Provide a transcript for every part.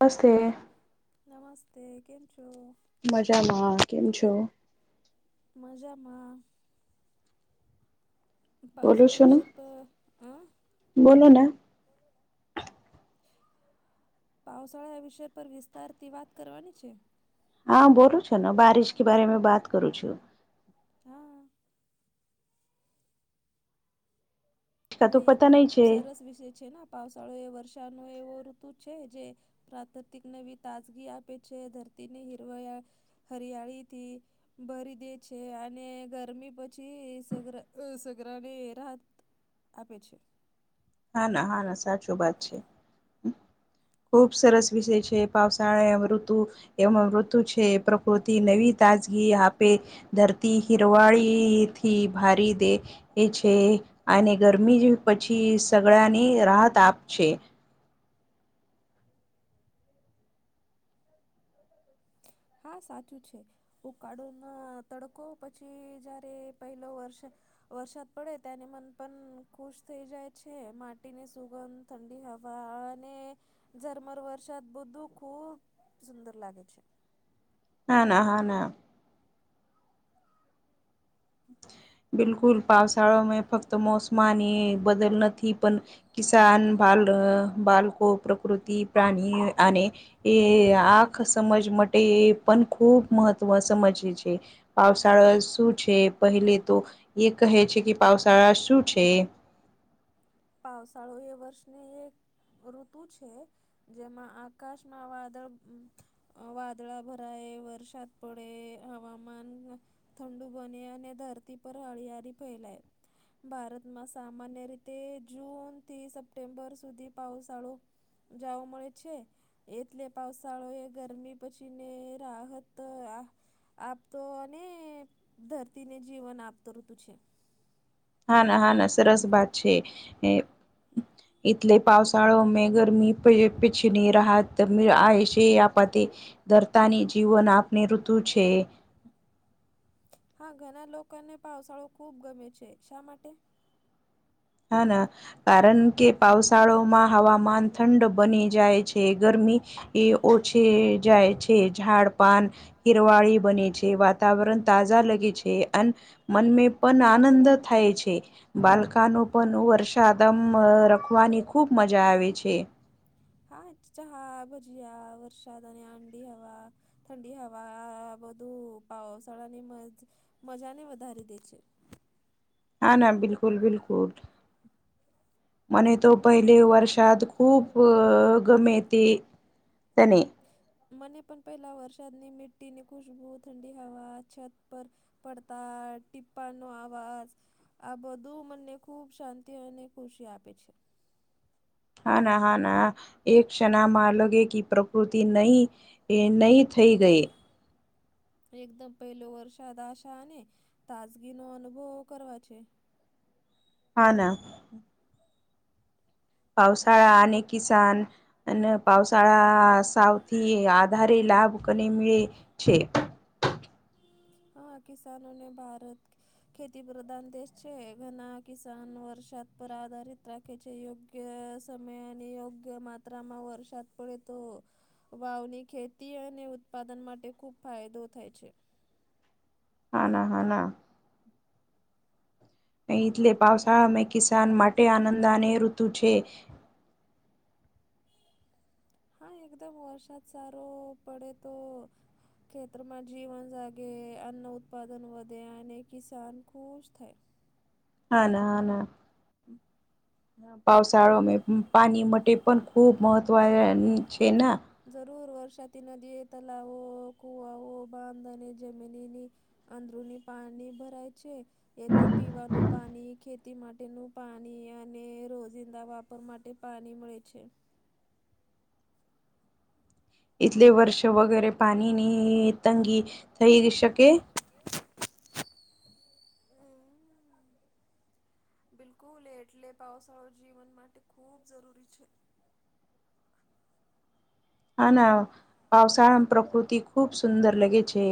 હસ્તે નમસ્તે કેમ છો? મજામાં કેમ છો. મજામાં. પાસાળ વિશે પર બોલો ના પાાવશળા આ વિષય પર વિસ્તારથી વાત કરવાની છે. હા બોલું છો ને બારિશ કે બારે મે બાત કરું છું. હા હ એ ખુબ સરસ વિષય છે પાવસાળો એ વર્ષાનો એવો ઋતુ છે જે પ્રાકૃતિક નવી તાજગી આપે છે ધરતીને હરવયા હરિયાળીથી ભરી દે છે અને ગરમી પછી સગરા સગરાને રાત આપે છે. હા ના હા ના સાચું વાત છે. ખુબ સરસ વિષય છે પાવસાળ ઋતુ એમ ઋતુ છે. ઓ થી નવી તાજગી આપે ધરતી હિરવાળી થી ભારી દે. એ છે અને ગરમી પછી સગળા ને રાહત આપ છે. હા સાચું છે, ઉકાળો ના તડકો પછી જ્યારે પહેલો વર્ષ વરસાદ પડે તને મન પણ ખુશ થઈ જાય છે માટી ની સુગંધ ઠંડી હવા અને ઝરમર વરસાદ બધું ખુબ સુંદર લાગે છે. ના ના હા ના બિલકુલ પાવસાળા ફક્ત મોસમાની બદલ નથી પણ કિસાન બાલ, બાળકો, પ્રકૃતિ, પ્રાણી, અને એ આખ સમજ માટે એ પણ ખૂબ મહત્વ સમજ છે. પાાવસાળા શું છે પહેલે તો એ કહે છે કે પાાવસાળા શું છે પાવસાળો એ વર્ષની એક ઋતુ છે. જેમાં આકાશમાં વાદળ અ વાદળા ભરાય વરસાદ પડે હવામાન ઠંડુ બને અને ધરતી પર હળિયારી ફેલાય ભારતમાં સામાન્ય રીતે તે જૂન થી સપ્ટેમ્બર સુધી પાવસાળો જાવા મળે છે. એટલે પાવસાળો એ ગરમી પછી ને રાહત આ આપતો અને ધરતીને જીવન આપતો ઋતુ છે. હા ના હા ના સરસ વાત છે. એટલે પાવસાળો મે ગરમી પડે પીછીની રાહત ત આ એ છે, આપથી ધરતા ની જીવન આપને ઋતુ છે. હા ઘણા લોકોને પાવસાળો ખૂબ ગમે છે, શા માટે? હા ના કારણ કે પાવસાળોમાં હવા માનથંડ બની જાય છે, ગરમી એ ઓછી જાય છે, ઝાડ પાન હિરવાળી બને છે, વાત વાતાવરણ તાજા લગે છે, અન મનમે પણ આનંદ થાય છે, બાલકાનો પણનું વરષાદમ રખવાની ખૂબ મજા આવે છે. હા ચહા, ભજીયા, વરસાદ, અને આંડી હવા ઠંડી હવા બધું પાવશળા ની મજ મજાને વધારી દે છે. હા ના બિલકુલ બિલકુલ. મને તો પહેલી વર્ષત ખૂબ ગમે તી. તને મને પણ પહેલા વરસાદની મિ્ટી ની ખુશ્બુ, ઠંડી હવા, છત પર પડતા ટિપ્પાનો આવાજ આ બધું મને ખૂબ શાંતિ અને ખુશી આપે છે. હા ના હા ના એક ક્ષણમાં લગે કે પ્રકૃતિ નઈ એ નઈ થઈ ગઈ. એકદમ પહેલો વર્ષાદાશા અને તાજગીનો અનુભવ કરવા છે. હા ના. પાવસાળા અને કિસાન અને પાવસાળા સાવથી વધારે લાભ કને મળે છે? હા કિસાનોને ભારત ખેતી પ્રધાન દેશ છે, ઘણા કિસાન વરસાદ પર આધારિત રા કે યોગ્ય સમય અને યોગ્ય માત્રામાં વરસાદત પડે તો વાવની ખેતી અને ઉત્પાદન માટે ખૂબ ફાયદો થાય છે. હા ના હા ના. એટલે પાવસામે કિસાન માટે આનંદ અને ઋતુ છે. હા એકદમ વરસાદ સારો પડે તો ખેતરમાં જીવન જાગે, અન્ન ઉત્પાદન વધે અને કિસાન ખુશ થાય. હા ના હ ના. પાવસાળા પાણી માટે પણ ખુબ મહત્વ છે. જરૂર વરસાતી નદીઓ, તલાવો, કુવાઓ, બાંધ અને જમીનીની અંદરુની પાણી ભરાય છે. એથી પીવાનું પાણી ખેતી માટેનું પાણી અને રોજિંદા વાપ પર માટે પાણી મળે છે. એટલે વર્ષો વગેરે પાણીની તંગી થઈ શકે બિલકુલ એટલે પાવસાળો જીવન માટે ખૂબ જરૂરી છે. હા ના પાવસાળામાં પ્રકૃતિ ખૂબ સુંદર લાગે છે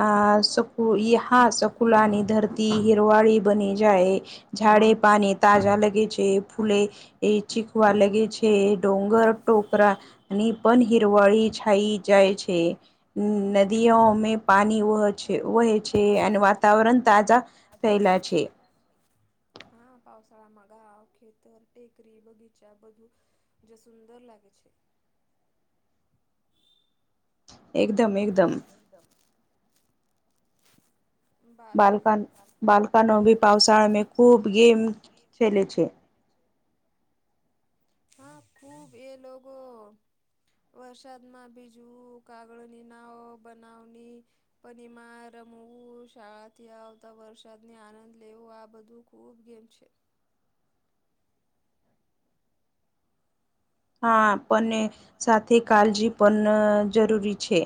આ શકુલાની ધરતી હિરવાડી. બની જાય ઝાડે પાણી તાજા લગે છે ફૂલે એ ચીખુવા લગ. ગે છે ડોંગર ટોકરા. ની પણ હિરવાળી છાઈ જાય છે નદીઓ અમે. પાણી વ છે વહે છે અને વાતાવરણ તાજા. દાદા [inaudible] શૈલાજી હા પાવસાળામાં ગાાવ ખેતર ટેકરી બગીચા બધું. જે સુુંદર લાગે છે. એકદમ એકદમ. એકદમ. બાલકન બાલકનો ભી પાાવસાળ મે ખુબ ગેમ ખેલે છે. હા ખુબ એ લોકોગો. વરસાદમાં બીજું કાગળોની નાવ બનાવની. પણમાં રમવું શાળાથી આવતા વરસાદને આનંદ લેવો આ બધું. ખૂબ ગેમ છે. હા પણ સાથે કાળજી પણ જરૂરી છે.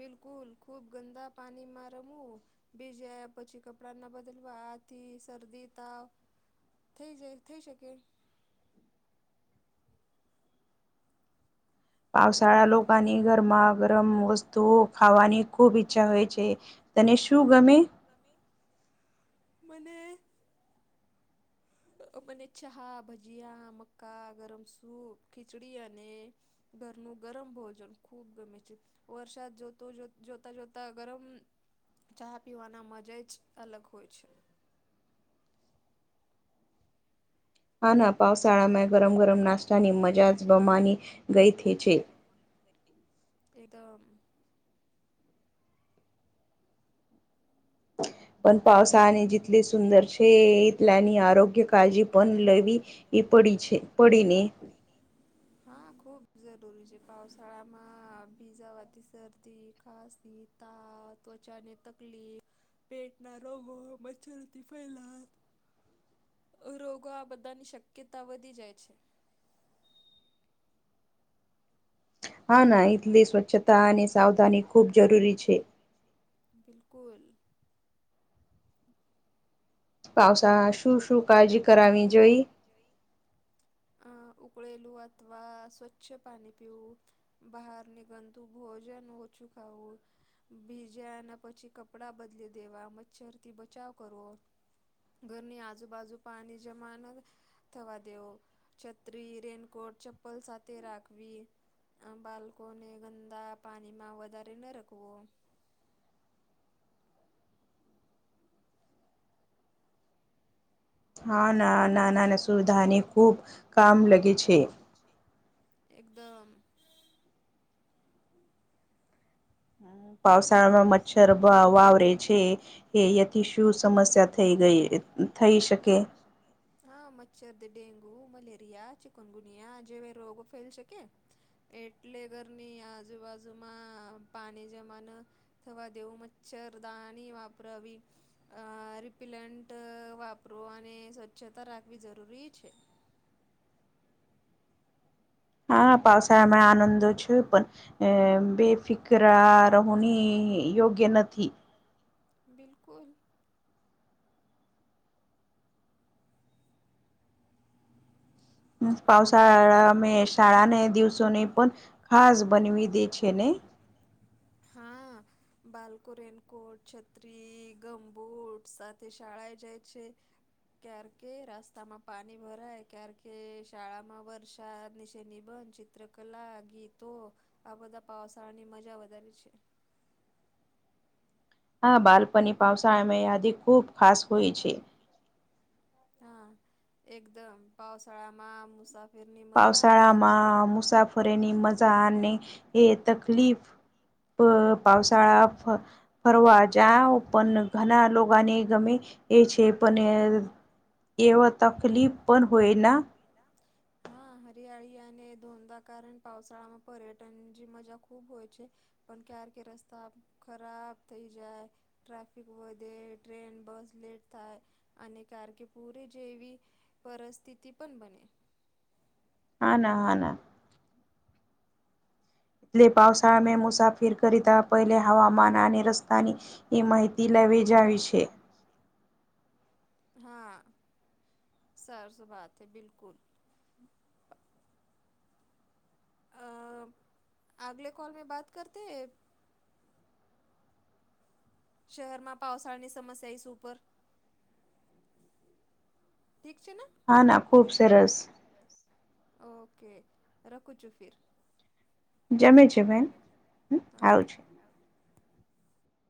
બિલકુલ ખુબ ગંદા પાણીમાં રમવું. બીજ પછી કપડા ના બદલવાથી શરદી તાવ. થઈ જ થઈ શકે. પાાવસાળા લોકોની ઘરમાં ગરમ વસ્તુઓ ખાવાની ખુબ ઈચ્છા હોય છે. તને શું ગમે. મને. મને ચા ભજીયા મક્કા ગરમ સૂપ ખીચડી અને. ઘરનું ગરમ ભોજન ખૂબ ગમે છે. વર્ષત જોતો જોતા જોતા ગરમ. ચા પીવાના મજા જ અલગ હોય છે. આાના પાાવશળામાં ગરમ ગરમ નાસ્તાની મજા જ બમાની ગઈ થ છે. એકદમ. હ. પણ પાવસા અને જથલે સુંદર છે એટલાની આરોગ્ય કાળજી પણ લેવી. એ પડી છે પડી ને. [inaudible] હા ખુબ જરૂરી છે પાાવશળામાં ભીજાવાથી શરદી ખાસીત. તાા ત્વચા ને તકલીફ પેટ ના રોગો મચ્છરોથી ફેલાત. રોગો આ બધાની શક્યતા વધી જાય છે. હા ના એટલે સ્વચ્છતા અને સાવધાની ખૂબ જરૂરી છે. બિલકુલ. પાાવસા શું શું કાળજી કરાવવી જોઈ. અ ઉકળેલું અથવા સ્વચ્છ પાણી પીવું. બહાર ની ગનતું ભોજન ઓછું ખાવું. ભીજાના પછી કપડાં બદલી દેવા મચ્છરથી બચાવ કરવો. ઘર નની આજુ બાજુ પાાન જમાત. થવા દેવો છત્રી રેનકોટ ચપ્પલ સાથે રાખવી. આ બાળકોને ગંદા પાણી માં વધારે ના રખવો. હા ના ના ના ના સુવિધા અને ખૂબ કામ લગે. કામ લ [inaudible] છે એકદમ [inaudible] પાાવસાળામાં મચ્છર વાવરે છે એ થી શું સમસ્યા થઈ ગઈ. થઈ શકે. હા મચ્છર ડેન્ગુ, મલેરિયા, ચિકનગુનિયા જેવા રોગો ફેલ શકે. એટલે ઘરની આજુબાજુમાં પાણી જમા ના થવા ન દેવુ મચ્છરદાની વાપરાવી. રિપેલન્ટ વાપરો અને સ્વચ્છતા રાખવી જરૂરી છે. હા પાવસાળામાં આનંદો છે. પણ અ બેફિક [inaudible] ઘરા રહની યોગ્ય નથી. બિલકુલ. પાાવસાળા અમે શાળા ને દિવસોને પણ ખાસ બનાવી દે છેને હા. બાળકો રેનકોટ, છત્રી ગંબુટ સાથે શાળાએ જાય છે. ક્યારેક રસ્તામાં પાણી ભરાય ક્યારેક શાળામાં વરસાદ વિશે નિબંધ, ચિત્રકલા, ગીતો આ બધા પાાવસાળાની મજા વધારે છે. હા બાલપની પાાવસાળમાં યાદી ખુબ ખાસ હોય છે. હા એકદમ પાાવશળામાં મુસાફરી પાાવશળામાં, મુસાફરી ફની મજાને, એ તકલીફ પાાવશળા ફરવા જાઓ પણ ઘણા લોકોને ગમે એ છે. પણ એવ તકલીફ પણ હોયના [unintelligible] એા. [unintelligible] હા હરિયાળી અને ધોંધા કારણ પાાવશળામાં પર્યટન જે મજા ખુબ હોય છે. પણ કાર કે રસ્તા ખરાબ થઈ જાય. ટ્રાફિક વધે ટ્રેન બસ લેટ થાય અને કાર કે પૂરે જેવી પરિસ્થિતિ પણ બને હા, ના હાના એલે પાાવસાળ મે મુસાફિર કરીતા પહલે હવામાન અને રસ્તની એ માહિતી લેવી જ આવી છે. હા, સરસ વાત હૈ બિલકુલ. અગલે કોલ મે બાત કરતે હે? શહેરમાં પાાવસાળાની સમસ્યા ઉપર ઠીક છેને, હા ના ખુ સરસ ઓકે રખું છું ફિર જમે છે. જમે જમે હા.